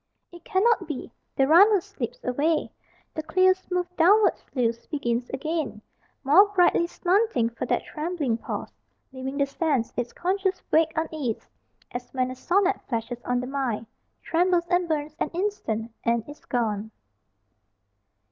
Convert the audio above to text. It cannot be. The runnel slips away: The clear smooth downward sluice begins again, More brightly slanting for that trembling pause, Leaving the sense its conscious vague unease As when a sonnet flashes on the mind, Trembles and burns an instant, and is gone.